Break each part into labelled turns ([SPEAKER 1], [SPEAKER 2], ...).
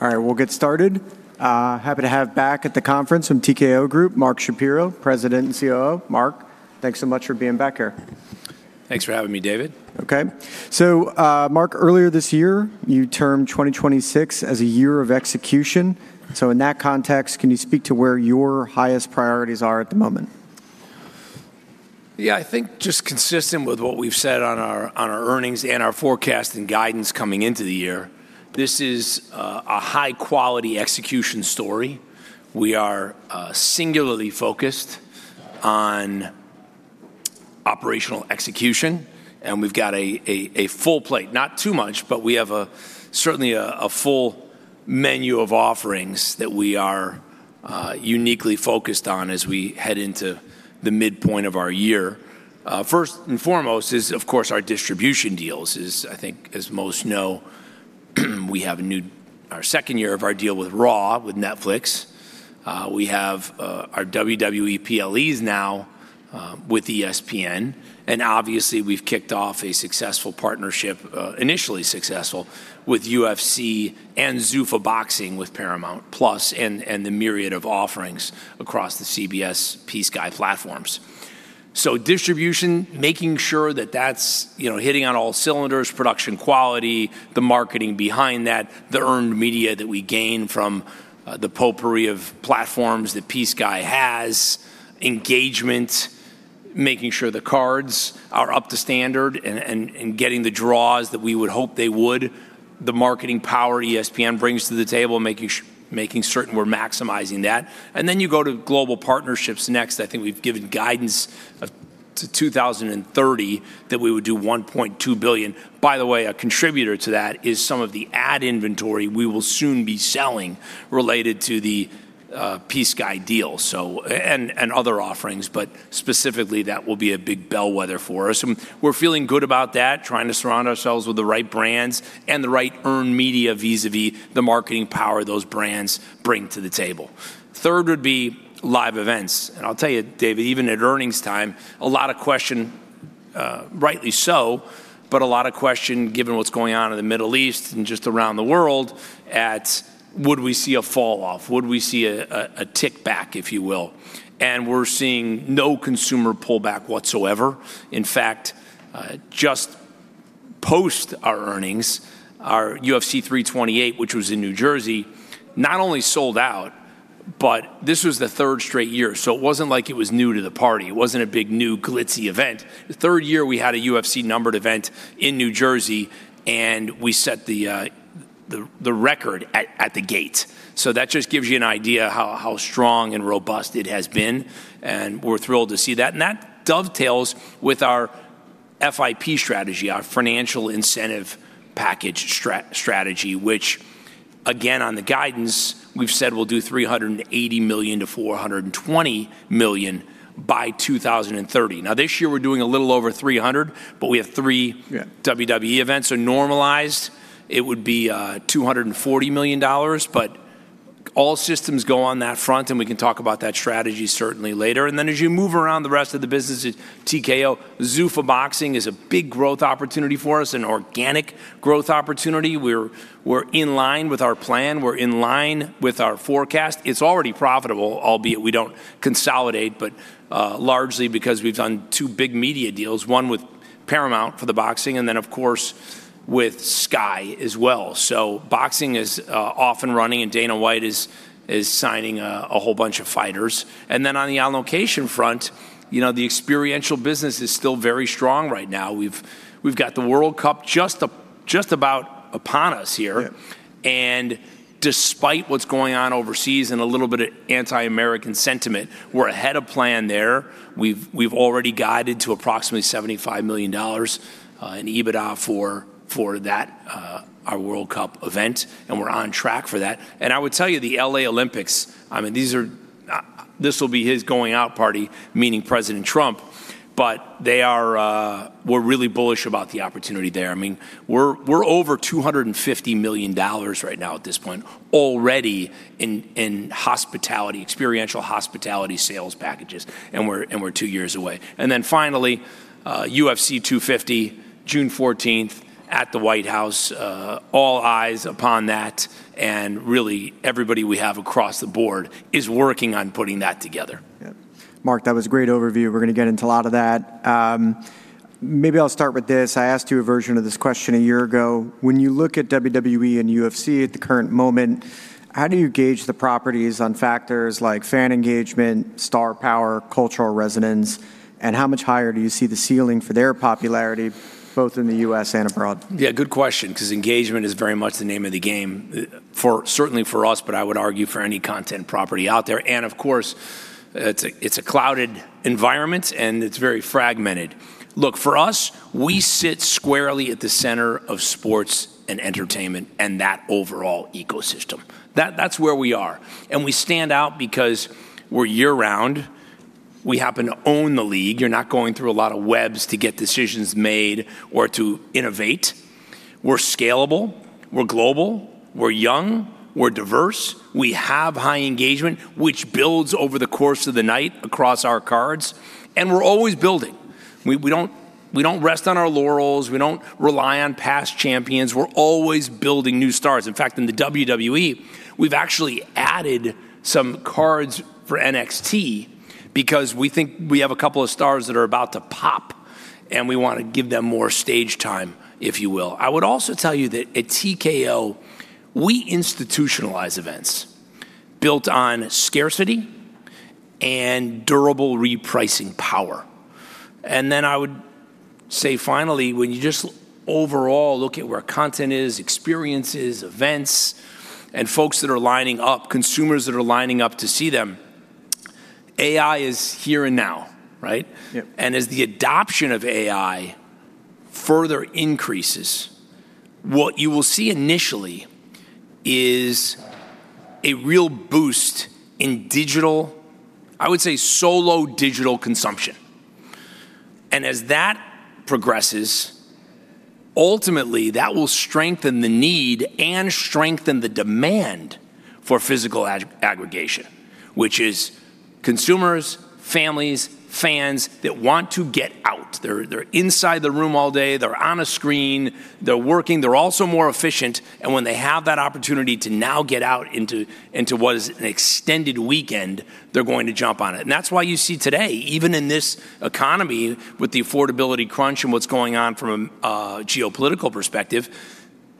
[SPEAKER 1] All right, we'll get started. Happy to have back at the conference from TKO Group, Mark Shapiro, President and COO. Mark, thanks so much for being back here.
[SPEAKER 2] Thanks for having me, David.
[SPEAKER 1] Okay. Mark, earlier this year, you termed 2026 as a year of execution. In that context, can you speak to where your highest priorities are at the moment?
[SPEAKER 2] Yeah, I think just consistent with what we've said on our, on our earnings and our forecast and guidance coming into the year, this is a high-quality execution story. We are singularly focused on operational execution, and we've got a full plate. Not too much, but we have a certainly a full menu of offerings that we are uniquely focused on as we head into the midpoint of our year. First and foremost is, of course, our distribution deals is, I think as most know, we have our second year of our deal with Raw, with Netflix. We have our WWE PLEs now with ESPN, and obviously, we've kicked off a successful partnership, initially successful with UFC and Zuffa Boxing with Paramount+ and the myriad of offerings across the CBS, PSKY platforms. Distribution, making sure that that's, you know, hitting on all cylinders, production quality, the marketing behind that, the earned media that we gain from the potpourri of platforms that PSKY has, engagement, making sure the cards are up to standard and getting the draws that we would hope they would, the marketing power ESPN brings to the table, making certain we're maximizing that. You go to global partnerships next. I think we've given guidance of to 2030 that we would do $1.2 billion. By the way, a contributor to that is some of the ad inventory we will soon be selling related to the PSKY deal, and other offerings, but specifically, that will be a big bellwether for us. We're feeling good about that, trying to surround ourselves with the right brands and the right earned media vis-a-vis the marketing power those brands bring to the table. Third would be live events. I'll tell you, David, even at earnings time, a lot of question, rightly so, but a lot of question, given what's going on in the Middle East and just around the world at would we see a fall off? Would we see a tick back, if you will? We're seeing no consumer pullback whatsoever. In fact, just post our earnings, our UFC 328, which was in New Jersey, not only sold out, but this was the third straight year, so it wasn't like it was new to the party. It wasn't a big, new glitzy event. The third year, we had a UFC numbered event in New Jersey, and we set the record at the gate. That just gives you an idea how strong and robust it has been, and we're thrilled to see that. That dovetails with our FIP strategy, our financial incentive package strategy, which again, on the guidance, we've said we'll do $380 million-$420 million by 2030. This year, we're doing a little over $300 million, but we have three-
[SPEAKER 1] Yeah
[SPEAKER 2] WWE events are normalized. It would be $240 million. All systems go on that front. We can talk about that strategy certainly later. As you move around the rest of the business at TKO, Zuffa Boxing is a big growth opportunity for us, an organic growth opportunity. We're in line with our plan. We're in line with our forecast. It's already profitable, albeit we don't consolidate, largely because we've done two big media deals, one with Paramount for the boxing, of course, with Sky as well. Boxing is off and running, Dana White is signing a whole bunch of fighters. On the allocation front, you know, the experiential business is still very strong right now. We've got the World Cup just about upon us here.
[SPEAKER 1] Yeah.
[SPEAKER 2] Despite what's going on overseas and a little bit of anti-American sentiment, we're ahead of plan there. We've already guided to approximately $75 million in EBITDA for that, our World Cup event, and we're on track for that. I would tell you, the L.A. Olympics, I mean, these are, this will be his going-out party, meaning President Trump, but they are, we're really bullish about the opportunity there. I mean, we're over $250 million right now at this point already in hospitality, experiential hospitality sales packages, and we're two years away. Finally, UFC 250, June 14th at the White House, all eyes upon that, and really everybody we have across the board is working on putting that together.
[SPEAKER 1] Yeah. Mark, that was a great overview. We're gonna get into a lot of that. Maybe I'll start with this. I asked you a version of this question a year ago. When you look at WWE and UFC at the current moment, how do you gauge the properties on factors like fan engagement, star power, cultural resonance, and how much higher do you see the ceiling for their popularity both in the U.S. and abroad?
[SPEAKER 2] Yeah, good question 'cause engagement is very much the name of the game, for certainly for us, but I would argue for any content property out there. Of course, it's a clouded environment, and it's very fragmented. Look, for us, we sit squarely at the center of sports and entertainment and that overall ecosystem. That's where we are. We stand out because we're year-round. We happen to own the league. You're not going through a lot of webs to get decisions made or to innovate. We're scalable, we're global, we're young, we're diverse. We have high engagement, which builds over the course of the night across our cards, and we're always building. We don't rest on our laurels. We don't rely on past champions. We're always building new stars. In fact, in the WWE, we've actually added some cards for NXT because we think we have a couple of stars that are about to pop, and we wanna give them more stage time, if you will. I would also tell you that at TKO, we institutionalize events built on scarcity and durable repricing power. I would say, finally, when you just overall look at where content is, experiences, events, and folks that are lining up, consumers that are lining up to see them, AI is here and now, right?
[SPEAKER 1] Yeah.
[SPEAKER 2] As the adoption of AI further increases, what you will see initially is a real boost in digital, I would say solo digital consumption. As that progresses, ultimately, that will strengthen the need and strengthen the demand for physical aggregation, which is consumers, families, fans that want to get out. They're inside the room all day. They're on a screen. They're working. They're also more efficient, and when they have that opportunity to now get out into what is an extended weekend, they're going to jump on it. That's why you see today, even in this economy with the affordability crunch and what's going on from a geopolitical perspective,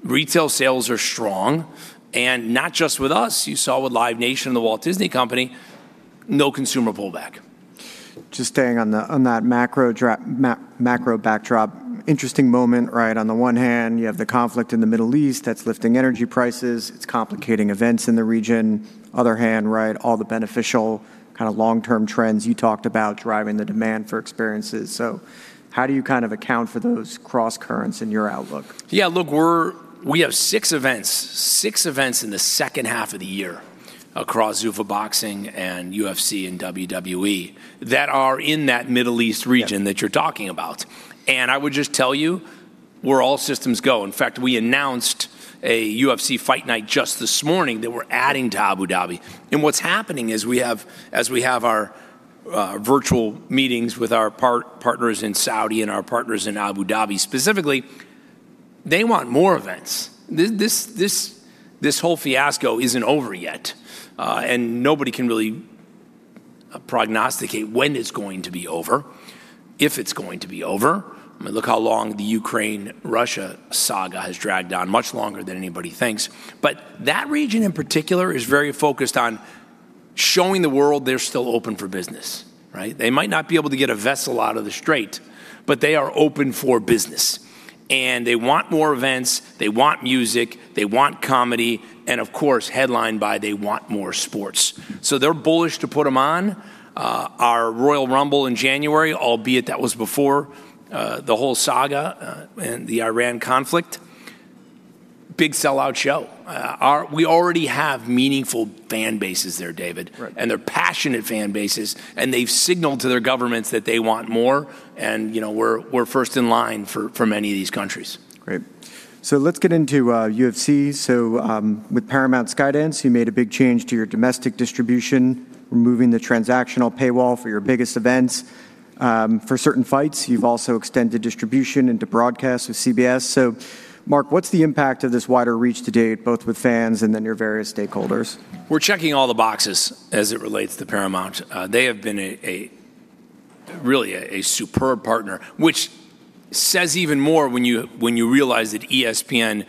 [SPEAKER 2] retail sales are strong, and not just with us. You saw with Live Nation and The Walt Disney Company, no consumer pullback.
[SPEAKER 1] Just staying on the, on that macro backdrop, interesting moment, right? On the one hand, you have the conflict in the Middle East that's lifting energy prices. It's complicating events in the region. Other hand, right, all the beneficial kind of long-term trends you talked about driving the demand for experiences. How do you kind of account for those crosscurrents in your outlook?
[SPEAKER 2] Yeah, look, we have six events in the second half of the year across Zuffa Boxing and UFC and WWE that are in that Middle East region.
[SPEAKER 1] Yeah
[SPEAKER 2] that you're talking about. I would just tell you we're all systems go. In fact, we announced a UFC Fight Night just this morning that we're adding to Abu Dhabi. What's happening is we have, as we have our virtual meetings with our partners in Saudi and our partners in Abu Dhabi specifically, they want more events. This whole fiasco isn't over yet, nobody can really prognosticate when it's going to be over, if it's going to be over. I mean, look how long the Ukraine-Russia saga has dragged on, much longer than anybody thinks. That region in particular is very focused on showing the world they're still open for business, right? They might not be able to get a vessel out of the strait, they are open for business, they want more events. They want music. They want comedy, and of course, headlined by they want more sports. They're bullish to put 'em on. Our Royal Rumble in January, albeit that was before the whole saga and the Iran conflict, big sellout show. We already have meaningful fan bases there, David.
[SPEAKER 1] Right.
[SPEAKER 2] They're passionate fan bases, and they've signaled to their governments that they want more, and, you know, we're first in line for many of these countries.
[SPEAKER 1] Great. Let's get into UFC. With Paramount's guidance, you made a big change to your domestic distribution, removing the transactional paywall for your biggest events. For certain fights, you've also extended distribution into broadcast with CBS. Mark, what's the impact of this wider reach to date, both with fans and then your various stakeholders?
[SPEAKER 2] We're checking all the boxes as it relates to Paramount. They have been a really superb partner, which says even more when you realize that ESPN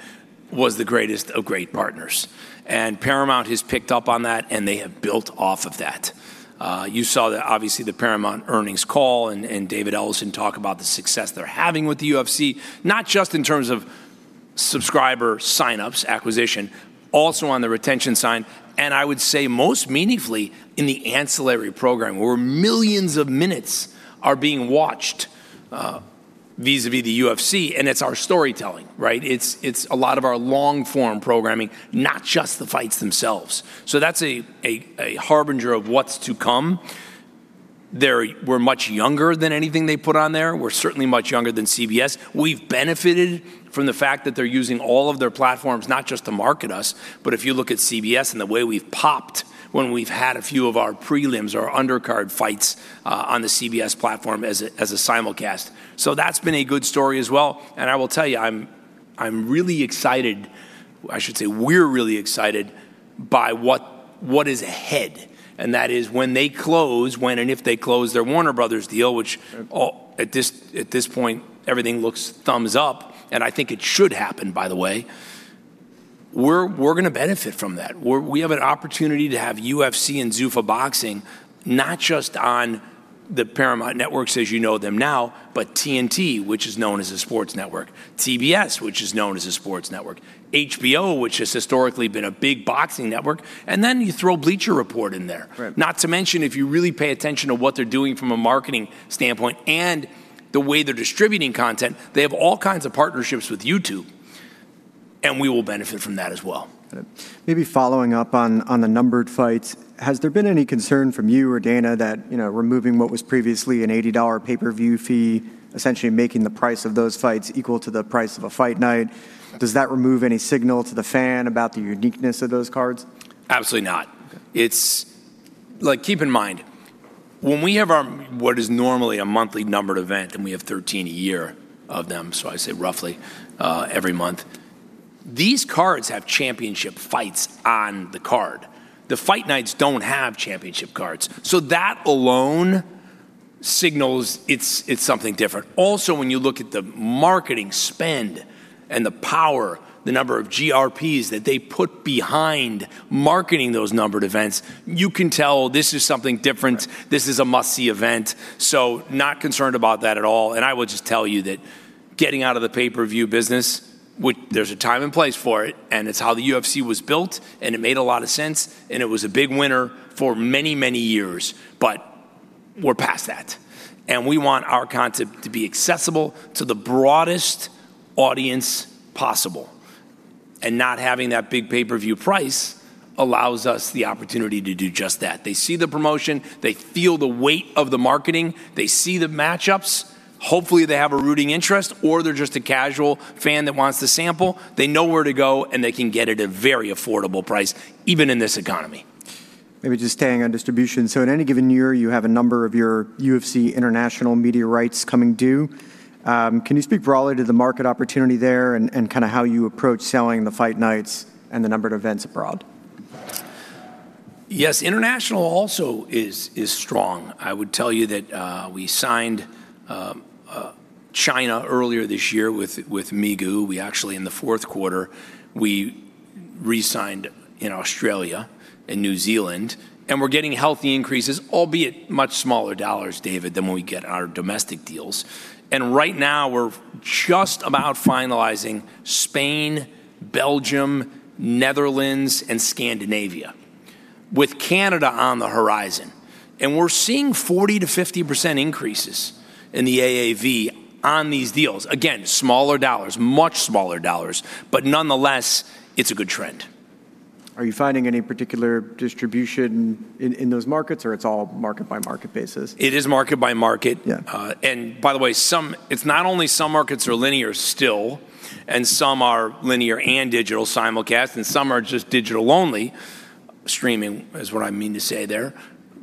[SPEAKER 2] was the greatest of great partners. Paramount has picked up on that, and they have built off of that. You saw the, obviously the Paramount earnings call and David Ellison talk about the success they're having with the UFC, not just in terms of subscriber sign-ups, acquisition, also on the retention side, and I would say most meaningfully in the ancillary program, where millions of minutes are being watched vis-à-vis the UFC, and it's our storytelling, right? It's a lot of our long-form programming, not just the fights themselves. That's a harbinger of what's to come. We're much younger than anything they put on there. We're certainly much younger than CBS. We've benefited from the fact that they're using all of their platforms not just to market us, but if you look at CBS and the way we've popped when we've had a few of our prelims or undercard fights on the CBS platform as a simulcast. That's been a good story as well, and I will tell you, I'm really excited. I should say we're really excited by what is ahead, and that is when they close, when and if they close their Warner Bros. deal.
[SPEAKER 1] Sure
[SPEAKER 2] At this point, everything looks thumbs up, and I think it should happen, by the way. We're gonna benefit from that. We have an opportunity to have UFC and Zuffa Boxing not just on the Paramount Networks as you know them now, but TNT, which is known as a sports network, CBS, which is known as a sports network, HBO, which has historically been a big boxing network, and then you throw Bleacher Report in there.
[SPEAKER 1] Right.
[SPEAKER 2] Not to mention, if you really pay attention to what they're doing from a marketing standpoint and the way they're distributing content, they have all kinds of partnerships with YouTube. We will benefit from that as well.
[SPEAKER 1] Maybe following up on the numbered fights, has there been any concern from you or Dana that, you know, removing what was previously an $80 pay-per-view fee, essentially making the price of those fights equal to the price of a Fight Night? Does that remove any signal to the fan about the uniqueness of those cards?
[SPEAKER 2] Absolutely not.
[SPEAKER 1] Okay.
[SPEAKER 2] Like, keep in mind, when we have our, what is normally a monthly numbered event, and we have 13 a year of them, I say roughly, every month, these cards have championship fights on the card. The Fight Nights don't have championship cards. That alone signals it's something different. Also, when you look at the marketing spend and the power, the number of GRPs that they put behind marketing those numbered events, you can tell this is something different.
[SPEAKER 1] Right.
[SPEAKER 2] This is a must-see event. Not concerned about that at all, and I would just tell you that getting out of the pay-per-view business. There's a time and place for it, and it's how the UFC was built, and it made a lot of sense, and it was a big winner for many, many years. We're past that, and we want our content to be accessible to the broadest audience possible. Not having that big pay-per-view price allows us the opportunity to do just that. They see the promotion. They feel the weight of the marketing. They see the match-ups. Hopefully, they have a rooting interest, or they're just a casual fan that wants to sample. They know where to go, and they can get at a very affordable price, even in this economy.
[SPEAKER 1] Maybe just staying on distribution. In any given year, you have a number of your UFC international media rights coming due. Can you speak broadly to the market opportunity there and kinda how you approach selling the Fight Nights and the numbered events abroad?
[SPEAKER 2] Yes. International also is strong. I would tell you that, we signed China earlier this year with Migu. We actually, in the fourth quarter, we resigned Australia and New Zealand, and we're getting healthy increases, albeit much smaller dollars, David, than what we get on our domestic deals. Right now we're just about finalizing Spain, Belgium, Netherlands, and Scandinavia, with Canada on the horizon. We're seeing 40%-50% increases in the AAV on these deals. Again, smaller dollars, much smaller dollars, but nonetheless, it's a good trend.
[SPEAKER 1] Are you finding any particular distribution in those markets, or it's all market by market basis?
[SPEAKER 2] It is market by market.
[SPEAKER 1] Yeah.
[SPEAKER 2] By the way, it's not only some markets are linear still, and some are linear and digital simulcast, and some are just digital only. Streaming is what I mean to say there.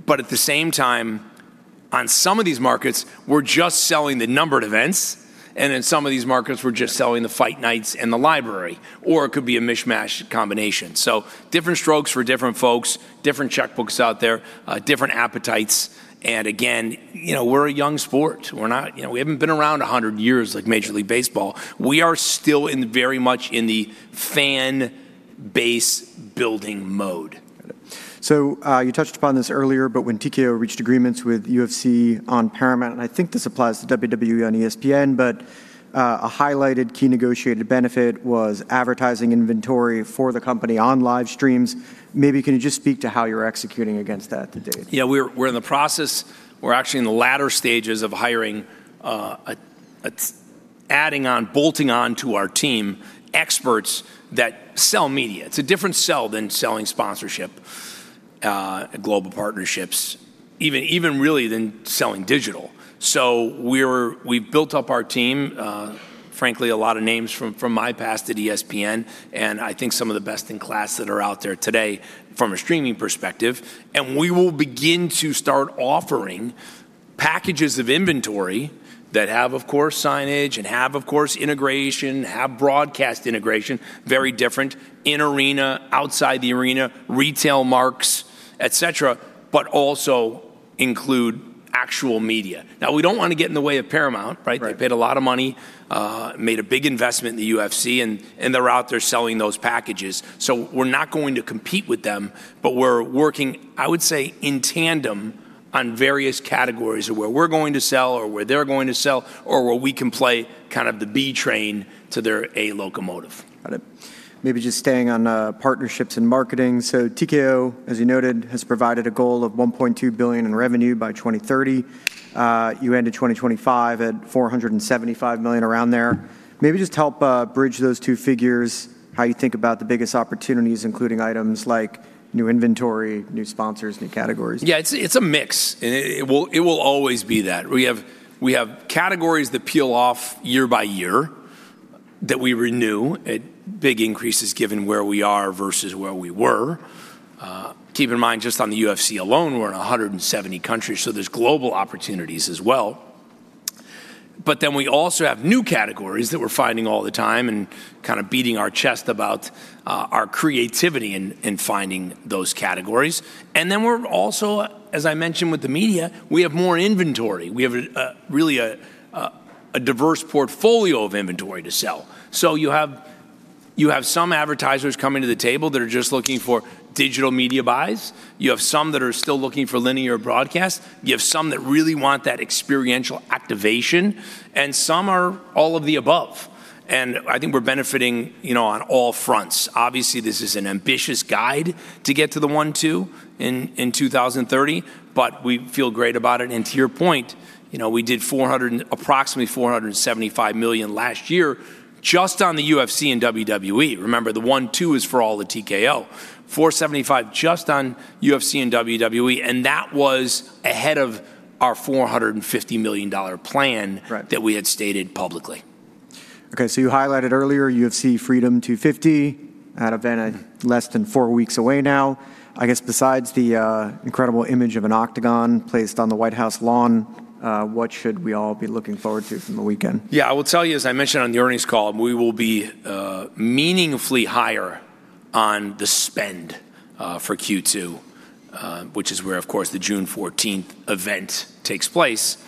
[SPEAKER 2] At the same time, on some of these markets, we're just selling the numbered events, and in some of these markets we're just selling the Fight Nights and the library. It could be a mishmash combination. Different strokes for different folks, different checkbooks out there, different appetites. Again, you know, we're a young sport. You know, we haven't been around 100 years like Major League Baseball. We are still very much in the fan base building mode.
[SPEAKER 1] Got it. You touched upon this earlier, when TKO reached agreements with UFC on Paramount, and I think this applies to WWE on ESPN, a highlighted key negotiated benefit was advertising inventory for the company on live streams. Maybe can you just speak to how you're executing against that today?
[SPEAKER 2] We're in the process. We're actually in the latter stages of hiring, adding on, bolting onto our team experts that sell media. It's a different sell than selling sponsorship, global partnerships, even really than selling digital. We've built up our team, frankly, a lot of names from my past at ESPN, and I think some of the best in class that are out there today from a streaming perspective. We will begin to start offering packages of inventory that have, of course, signage and have, of course, integration, have broadcast integration, very different, in arena, outside the arena, retail marks, et cetera, but also include actual media. We don't wanna get in the way of Paramount, right?
[SPEAKER 1] Right.
[SPEAKER 2] They paid a lot of money, made a big investment in the UFC, and they're out there selling those packages. We're not going to compete with them, but we're working, I would say, in tandem on various categories of where we're going to sell or where they're going to sell or where we can play kind of the B train to their A locomotive.
[SPEAKER 1] Got it. Maybe just staying on partnerships and marketing. TKO, as you noted, has provided a goal of $1.2 billion in revenue by 2030. You ended 2025 at $475 million around there. Maybe just help bridge those two figures, how you think about the biggest opportunities, including items like new inventory, new sponsors, new categories.
[SPEAKER 2] Yeah, it's a mix, it will always be that. We have categories that peel off year-by-year that we renew at big increases given where we are versus where we were. Keep in mind, just on the UFC alone, we're in 170 countries, there's global opportunities as well. We also have new categories that we're finding all the time and kinda beating our chest about our creativity in finding those categories. We're also, as I mentioned with the media, we have more inventory. We have a really diverse portfolio of inventory to sell. You have some advertisers coming to the table that are just looking for digital media buys. You have some that are still looking for linear broadcast. You have some that really want that experiential activation, and some are all of the above. I think we're benefiting, you know, on all fronts. Obviously, this is an ambitious guide to get to the $1.2 billion in 2030, we feel great about it. To your point, you know, we did approximately $475 million last year just on the UFC and WWE. Remember, the $1.2 billion is for all the TKO. $475 million just on UFC and WWE, that was ahead of our $450 million plan.
[SPEAKER 1] Right
[SPEAKER 2] that we had stated publicly.
[SPEAKER 1] You highlighted earlier UFC Freedom 250. That event less than four weeks away now. I guess besides the incredible image of an octagon placed on the White House lawn, what should we all be looking forward to from the weekend?
[SPEAKER 2] I will tell you, as I mentioned on the earnings call, we will be meaningfully higher on the spend for Q2, which is where, of course, the June 14th event takes place,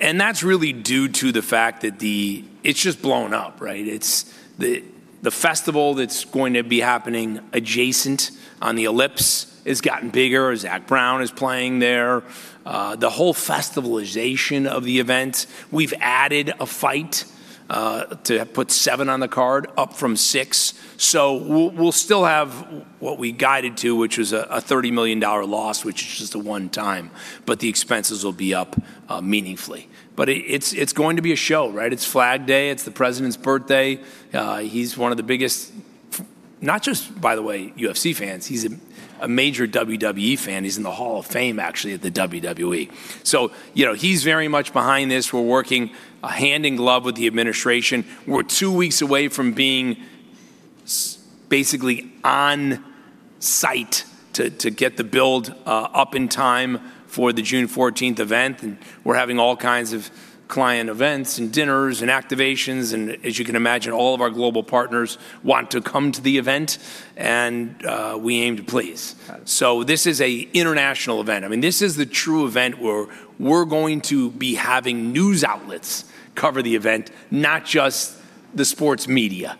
[SPEAKER 2] and that's really due to the fact that it's just blown up. It's the festival that's going to be happening adjacent on the Ellipse has gotten bigger. Zac Brown is playing there. The whole festivalization of the event. We've added a fight to put seven on the card up from six. We'll still have what we guided to, which was a $30 million loss, which is just a one-time, but the expenses will be up meaningfully. It's going to be a show. It's Flag Day. It's the President's birthday. He's one of the biggest not just, by the way, UFC fans. He's a major WWE fan. He's in the Hall of Fame, actually, at the WWE. You know, he's very much behind this. We're working hand in glove with the administration. We're two weeks away from being basically on site to get the build up in time for the June 14th event, we're having all kinds of client events and dinners and activations. As you can imagine, all of our global partners want to come to the event, we aim to please.
[SPEAKER 1] Got it.
[SPEAKER 2] This is a international event. I mean, this is the true event where we're going to be having news outlets cover the event, not just the sports media.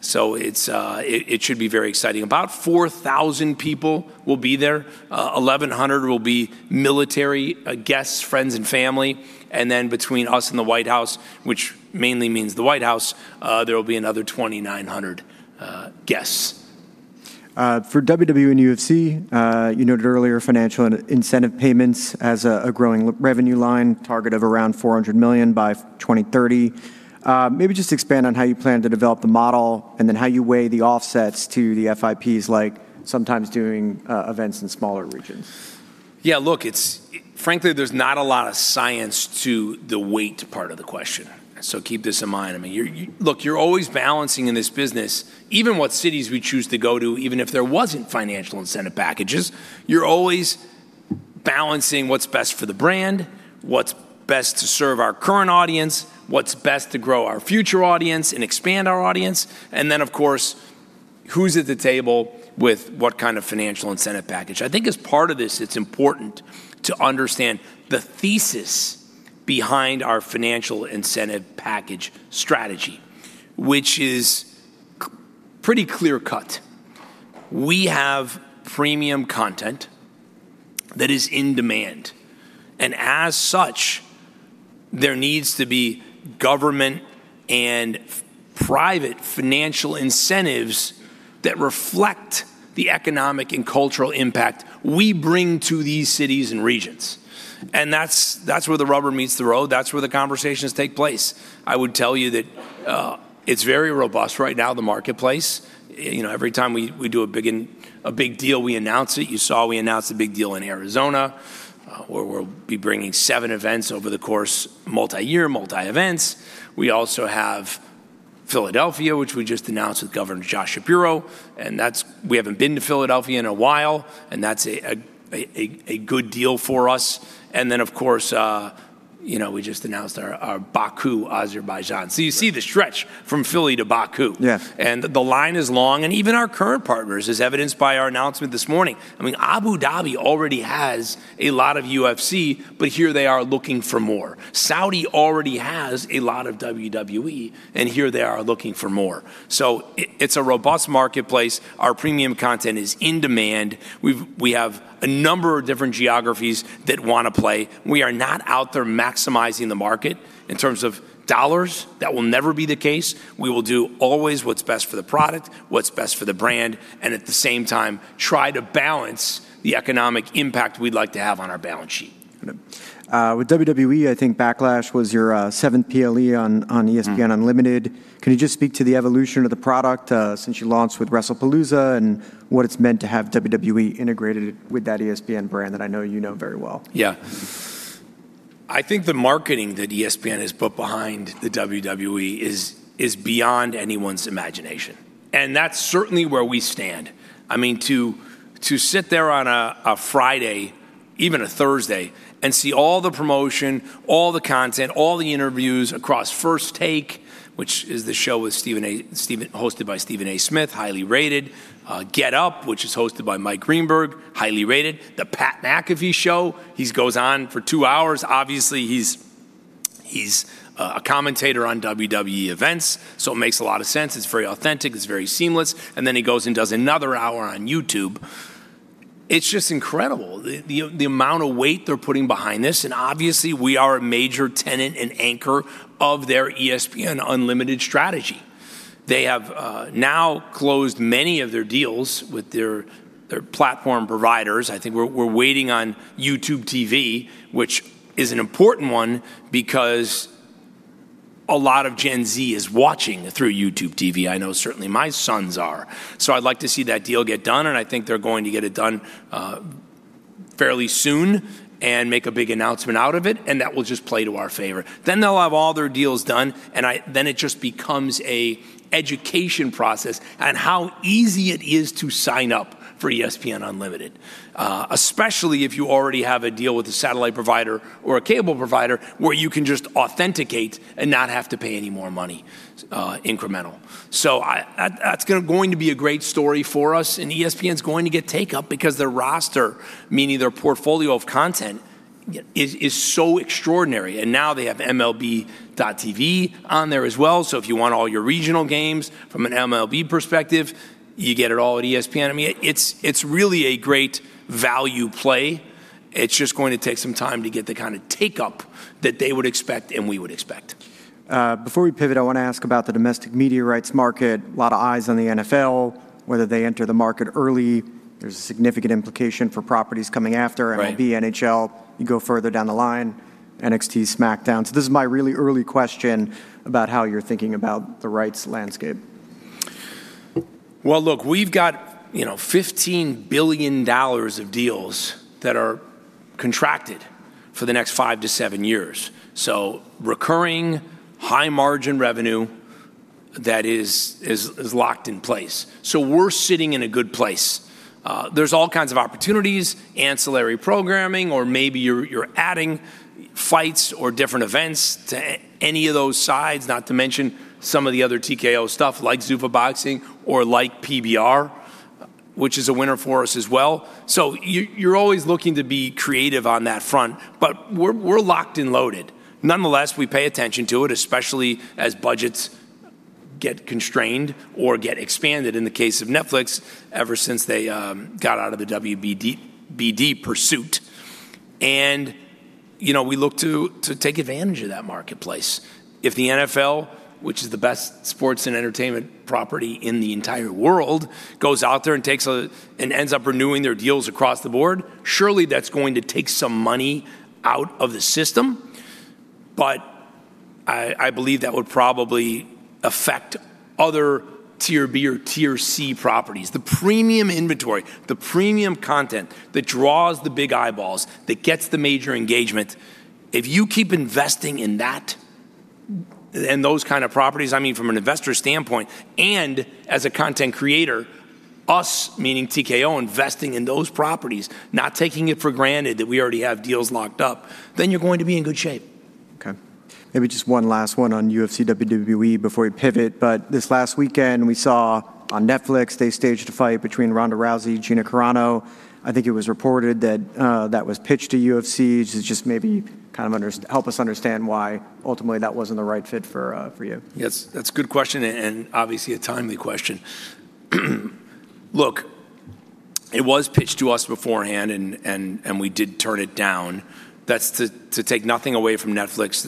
[SPEAKER 2] It's, it should be very exciting. About 4,000 people will be there. 1,100 will be military guests, friends and family. Between us and the White House, which mainly means the White House, there will be another 2,900 guests.
[SPEAKER 1] For WWE and UFC, you noted earlier financial incentive payments as a growing revenue line, target of around $400 million by 2030. Maybe just expand on how you plan to develop the model and then how you weigh the offsets to the FIPs, like sometimes doing events in smaller regions.
[SPEAKER 2] Yeah, look, frankly, there's not a lot of science to the weight part of the question, so keep this in mind. I mean, look, you're always balancing in this business even what cities we choose to go to, even if there wasn't financial incentive packages. You're always balancing what's best for the brand, what's best to serve our current audience, what's best to grow our future audience and expand our audience, and then, of course, who's at the table with what kind of financial incentive package. I think as part of this, it's important to understand the thesis behind our financial incentive package strategy, which is pretty clear-cut. We have premium content that is in demand. As such, there needs to be government and private financial incentives that reflect the economic and cultural impact we bring to these cities and regions, and that's where the rubber meets the road. That's where the conversations take place. I would tell you that it's very robust right now, the marketplace. You know, every time we do a big deal, we announce it. You saw we announced a big deal in Arizona, where we'll be bringing seven events over the course, multi-year, multi events. We also have Philadelphia, which we just announced with Governor Josh Shapiro. We haven't been to Philadelphia in a while, and that's a good deal for us. Of course, you know, we just announced our Baku, Azerbaijan. You see the stretch from Philly to Baku.
[SPEAKER 1] Yeah.
[SPEAKER 2] The line is long. Even our current partners, as evidenced by our announcement this morning. I mean, Abu Dhabi already has a lot of UFC, but here they are looking for more. Saudi already has a lot of WWE, and here they are looking for more. It's a robust marketplace. Our premium content is in demand. We have a number of different geographies that wanna play. We are not out there maximizing the market in terms of dollars. That will never be the case. We will do always what's best for the product, what's best for the brand, and at the same time try to balance the economic impact we'd like to have on our balance sheet.
[SPEAKER 1] With WWE, I think Backlash was your seventh PLE on ESPN Unlimited. Can you just speak to the evolution of the product, since you launched with Wrestlepalooza and what it's meant to have WWE integrated with that ESPN brand that I know you know very well?
[SPEAKER 2] Yeah. I think the marketing that ESPN has put behind the WWE is beyond anyone's imagination, and that's certainly where we stand. I mean, to sit there on a Friday, even a Thursday, and see all the promotion, all the content, all the interviews across First Take, which is the show with, hosted by Stephen A. Smith, highly rated. Get Up, which is hosted by Mike Greenberg, highly rated. The Pat McAfee Show, he's goes on for two hours. Obviously, he's a commentator on WWE events, so it makes a lot of sense. It's very authentic. It's very seamless. Then he goes and does another hour on YouTube. It's just incredible the amount of weight they're putting behind this, and obviously we are a major tenant and anchor of their ESPN Unlimited strategy. They have now closed many of their deals with their platform providers. I think we're waiting on YouTube TV, which is an important one because a lot of Gen Z is watching through YouTube TV. I know certainly my sons are. I'd like to see that deal get done, and I think they're going to get it done fairly soon and make a big announcement out of it, and that will just play to our favor. They'll have all their deals done, then it just becomes a education process on how easy it is to sign up for ESPN Unlimited, especially if you already have a deal with a satellite provider or a cable provider where you can just authenticate and not have to pay any more money incremental. That's going to be a great story for us, and ESPN's going to get take-up because their roster, meaning their portfolio of content, is so extraordinary, and now they have MLB.TV on there as well. If you want all your regional games from an MLB perspective, you get it all at ESPN. I mean, it's really a great value play. It's just going to take some time to get the kinda take-up that they would expect and we would expect.
[SPEAKER 1] Before we pivot, I wanna ask about the domestic media rights market. Lotta eyes on the NFL, whether they enter the market early. There's a significant implication for properties coming after.
[SPEAKER 2] Right
[SPEAKER 1] NHL. You go further down the line, NXT, SmackDown. This is my really early question about how you're thinking about the rights landscape.
[SPEAKER 2] Well, look, we've got, you know, $15 billion of deals that are contracted for the next five to seven years. Recurring high-margin revenue that is locked in place. We're sitting in a good place. There's all kinds of opportunities, ancillary programming, or maybe you're adding fights or different events to any of those sides, not to mention some of the other TKO stuff like Zuffa Boxing or like PBR, which is a winner for us as well. You're always looking to be creative on that front, but we're locked and loaded. Nonetheless, we pay attention to it, especially as budgets get constrained or get expanded in the case of Netflix ever since they got out of the WBD pursuit. You know, we look to take advantage of that marketplace. If the NFL, which is the best sports and entertainment property in the entire world, goes out there and ends up renewing their deals across the board, surely that's going to take some money out of the system. I believe that would probably affect other Tier B or Tier C properties. The premium inventory, the premium content that draws the big eyeballs, that gets the major engagement, if you keep investing in that and those kind of properties, I mean, from an investor standpoint and as a content creator, us, meaning TKO, investing in those properties, not taking it for granted that we already have deals locked up, then you're going to be in good shape.
[SPEAKER 1] Okay. Maybe just one last one on UFC/WWE before we pivot. This last weekend we saw on Netflix they staged a fight between Ronda Rousey, Gina Carano. I think it was reported that that was pitched to UFC. Just maybe kind of help us understand why ultimately that wasn't the right fit for you.
[SPEAKER 2] Yes, that's a good question and obviously a timely question. It was pitched to us beforehand, and we did turn it down. That's to take nothing away from Netflix.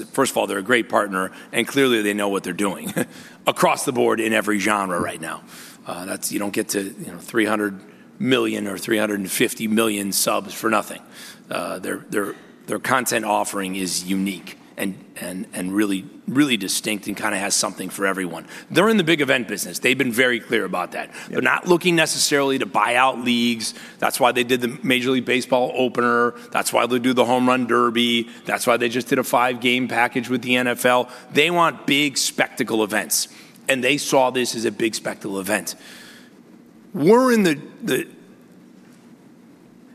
[SPEAKER 2] They're a great partner, and clearly they know what they're doing across the board in every genre right now. You don't get to 300 million or 350 million subs for nothing. Their content offering is unique and distinct and kinda has something for everyone. They're in the big event business. They've been very clear about that.
[SPEAKER 1] Yeah.
[SPEAKER 2] They're not looking necessarily to buy out leagues. That's why they did the Major League Baseball opener. That's why they do the Home Run Derby. That's why they just did a five-game package with the NFL. They want big spectacle events, and they saw this as a big spectacle event. We're in the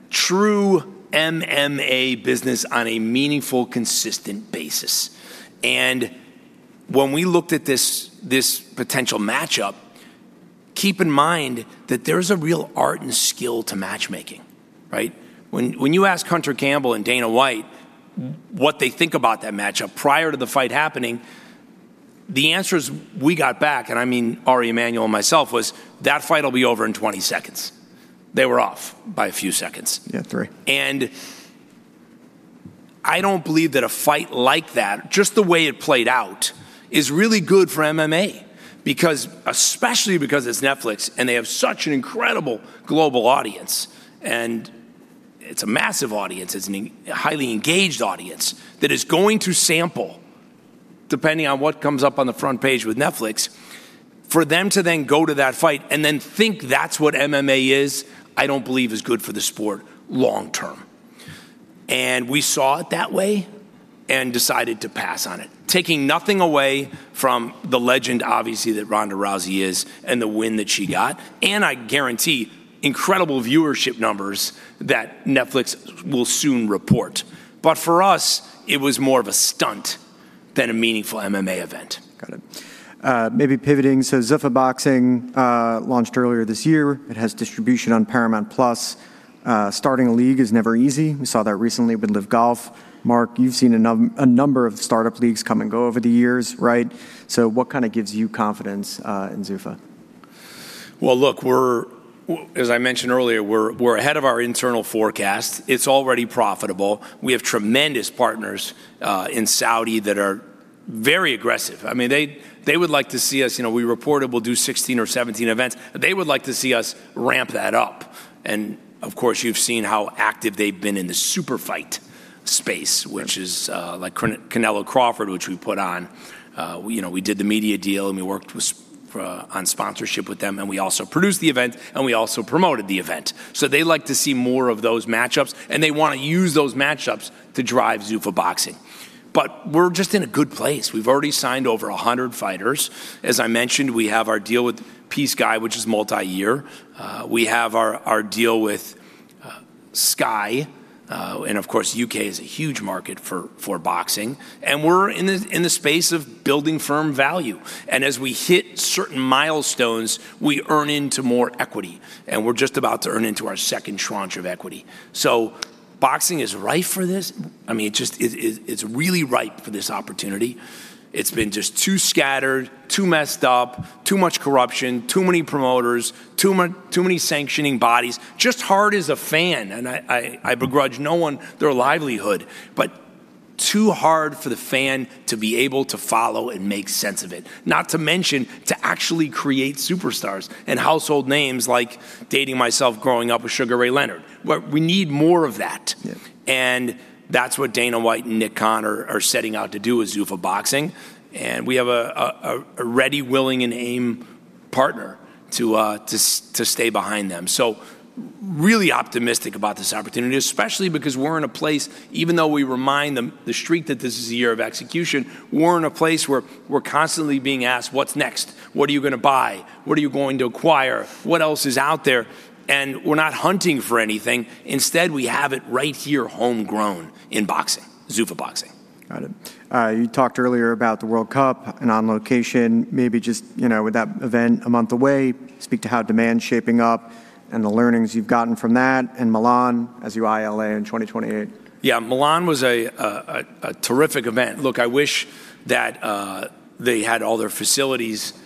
[SPEAKER 2] true MMA business on a meaningful, consistent basis. When we looked at this potential matchup, keep in mind that there's a real art and skill to matchmaking, right? When you ask Hunter Campbell and Dana White what they think about that matchup prior to the fight happening, the answers we got back, and I mean Ari Emanuel and myself, was, "That fight'll be over in 20 seconds." They were off by a few seconds.
[SPEAKER 1] Yeah, three seconds.
[SPEAKER 2] I don't believe that a fight like that, just the way it played out, is really good for MMA because, especially because it's Netflix, and they have such an incredible global audience, and it's a massive audience. It's a highly engaged audience that is going to sample, depending on what comes up on the front page with Netflix. For them to then go to that fight and then think that's what MMA is, I don't believe is good for the sport long term. We saw it that way and decided to pass on it, taking nothing away from the legend, obviously, that Ronda Rousey is and the win that she got, and I guarantee incredible viewership numbers that Netflix will soon report. For us, it was more of a stunt than a meaningful MMA event.
[SPEAKER 1] Got it. Maybe pivoting. Zuffa Boxing launched earlier this year. It has distribution on Paramount+. Starting a league is never easy. We saw that recently with LIV Golf. Mark, you've seen a number of startup leagues come and go over the years, right? What kinda gives you confidence in Zuffa?
[SPEAKER 2] As I mentioned earlier, we're ahead of our internal forecast. It's already profitable. We have tremendous partners in Saudi that are very aggressive. I mean, they would like to see us You know, we reported we'll do 16 or 17 events. They would like to see us ramp that up, and of course, you've seen how active they've been in the super fight space, which is like Canelo-Crawford, which we put on. You know, we did the media deal, and we worked on sponsorship with them, and we also produced the event, and we also promoted the event. They like to see more of those match-ups, and they wanna use those match-ups to drive Zuffa Boxing. We're just in a good place. We've already signed over 100 fighters. As I mentioned, we have our deal with PSKY, which is multi-year. We have our deal with Sky, and of course, U.K. is a huge market for boxing. We're in the space of building firm value, and as we hit certain milestones, we earn into more equity, and we're just about to earn into our second tranche of equity. Boxing is ripe for this. I mean, it just, it's really ripe for this opportunity. It's been just too scattered, too messed up, too much corruption, too many promoters, too many sanctioning bodies. Just hard as a fan, and I begrudge no one their livelihood, but too hard for the fan to be able to follow and make sense of it, not to mention to actually create superstars and household names like, dating myself growing up, with Sugar Ray Leonard. We need more of that.
[SPEAKER 1] Yeah.
[SPEAKER 2] That's what Dana White and Nick Khan are setting out to do with Zuffa Boxing, and we have a ready, willing, and aim partner to stay behind them. Really optimistic about this opportunity, especially because we're in a place, even though we remind them, the street, that this is a year of execution, we're in a place where we're constantly being asked, What's next? What are you gonna buy? What are you going to acquire? What else is out there? We're not hunting for anything. Instead, we have it right here, homegrown in boxing, Zuffa Boxing.
[SPEAKER 1] Got it. You talked earlier about the World Cup and On Location. Maybe just, you know, with that event a month away, speak to how demand's shaping up and the learnings you've gotten from that and Milan as you eye L.A. in 2028.
[SPEAKER 2] Yeah, Milan was a terrific event. Look, I wish that they had all their facilities
[SPEAKER 1] Yeah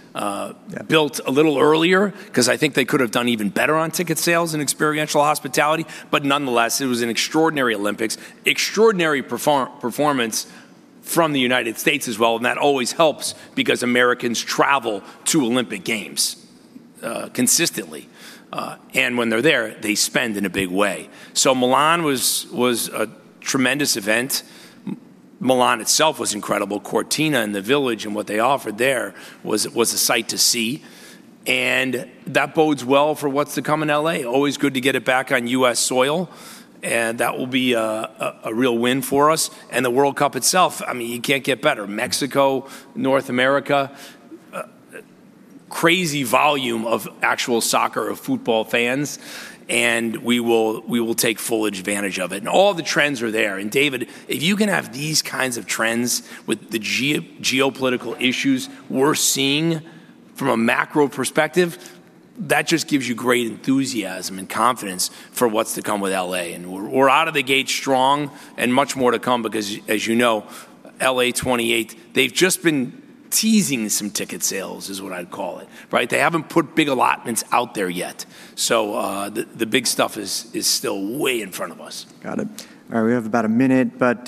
[SPEAKER 2] built a little earlier 'cause I think they could have done even better on ticket sales and experiential hospitality. Nonetheless, it was an extraordinary Olympics. Extraordinary performance from the United States as well, and that always helps because Americans travel to Olympic Games consistently. When they're there, they spend in a big way. Milan was a tremendous event. Milan itself was incredible. Cortina and the village and what they offered there was a sight to see, and that bodes well for what's to come in L.A. Always good to get it back on U.S. soil, and that will be a real win for us. The World Cup itself, I mean, you can't get better. Mexico, North America, crazy volume of actual soccer or football fans, and we will take full advantage of it. All the trends are there. David, if you can have these kinds of trends with the geopolitical issues we're seeing from a macro perspective, that just gives you great enthusiasm and confidence for what's to come with L.A., and we're out of the gate strong and much more to come because, as you know, L.A. 2028, they've just been teasing some ticket sales is what I'd call it, right. They haven't put big allotments out there yet. The big stuff is still way in front of us.
[SPEAKER 1] Got it. All right, we have about a minute, but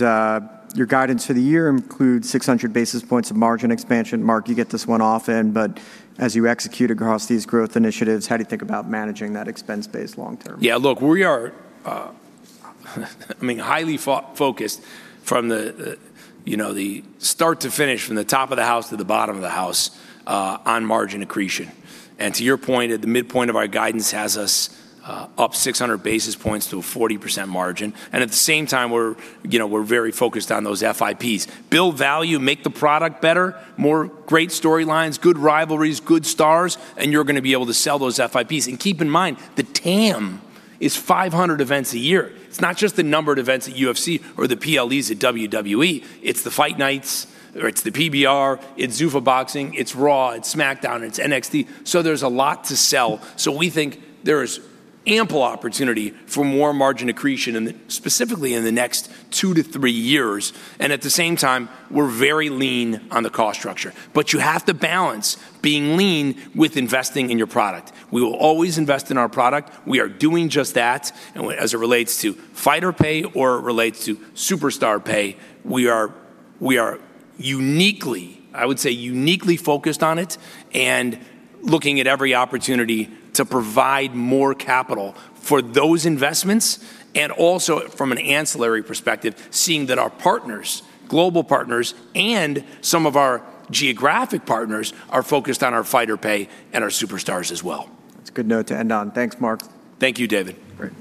[SPEAKER 1] your guidance for the year includes 600 basis points of margin expansion. Mark, you get this one often, but as you execute across these growth initiatives, how do you think about managing that expense base long term?
[SPEAKER 2] Yeah, look, we are, you know, highly focused from the start to finish, from the top of the house to the bottom of the house, on margin accretion. To your point, at the midpoint of our guidance has us up 600 basis points to a 40% margin, at the same time we're, you know, we're very focused on those FIPs. Build value, make the product better, more great storylines, good rivalries, good stars, you're gonna be able to sell those FIPs. Keep in mind, the TAM is 500 events a year. It's not just the numbered events at UFC or the PLEs at WWE. It's the Fight Nights or it's the PBR. It's Zuffa Boxing. It's Raw. It's SmackDown. It's NXT. There's a lot to sell, so we think there's ample opportunity for more margin accretion specifically in the next two to three years. At the same time, we're very lean on the cost structure. You have to balance being lean with investing in your product. We will always invest in our product. We are doing just that. As it relates to fighter pay or relates to superstar pay, we are uniquely, I would say, uniquely focused on it and looking at every opportunity to provide more capital for those investments. Also from an ancillary perspective, seeing that our partners, global partners, and some of our geographic partners are focused on our fighter pay and our superstars as well.
[SPEAKER 1] That's a good note to end on. Thanks, Mark.
[SPEAKER 2] Thank you, David.
[SPEAKER 1] Great.